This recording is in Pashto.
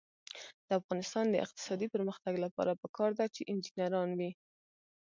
د افغانستان د اقتصادي پرمختګ لپاره پکار ده چې انجنیران وي.